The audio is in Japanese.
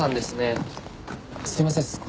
すいません